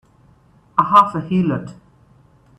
A half a heelot!